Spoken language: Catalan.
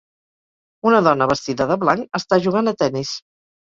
Una dona vestida de blanc està jugant a tennis.